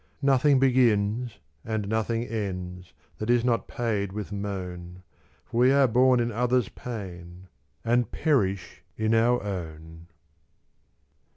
Nothing begins, and nothing ends, That is not paid with moan, For we are born in other's pain, And perish in our own.